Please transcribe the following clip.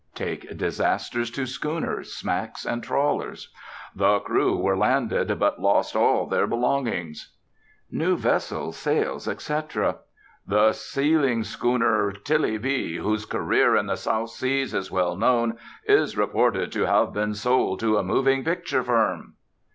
Take disasters to schooners, smacks, and trawlers. "The crew were landed, but lost all their belongings." New vessels, sales, etc. "The sealing schooner Tillie B., whose career in the South Seas is well known, is reported to have been sold to a moving picture firm."